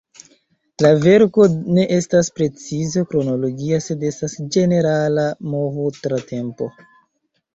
La verko ne estas precize kronologia, sed estas ĝenerala movo tra tempo.